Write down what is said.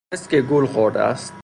دانست که گول خورده است